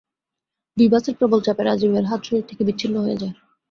দুই বাসের প্রবল চাপে রাজীবের হাত শরীর থেকে বিচ্ছিন্ন হয়ে যায়।